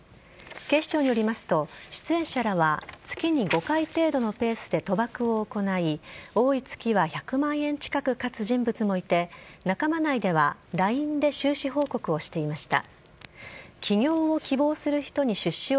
警視庁によりますと出演者は月に５回程度のペースで賭博を行い多い月は１００万円近く勝つ人物もいて仲間内ではＬＩＮＥで収支報告をしていました。